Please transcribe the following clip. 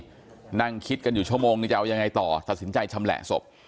ก็นั่งคิดกันอยู่ชั่วโมงนึงจะเอายังไงต่อตัดสินใจชำแหละศพ